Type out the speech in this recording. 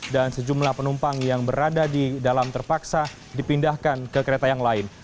dan sejumlah penumpang yang berada di dalam terpaksa dipindahkan ke kereta yang lain